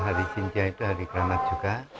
hari sinja itu hari keramat juga